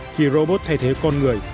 khi robot thay thế con người